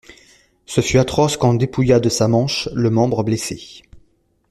Ce fut atroce quand on dépouilla de sa manche le membre blessé.